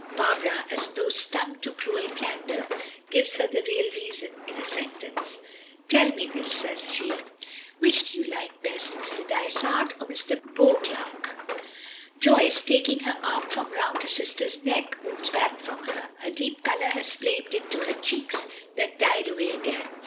Barbara, as though stung to cruel candor, gives her the real reason in a sentence. "Tell me this," says she, "which do you like best, Mr. Dysart, or Mr. Beauclerk?" Joyce, taking her arm from round her sister's neck, moves back from her. A deep color has flamed into her cheeks, then died away again.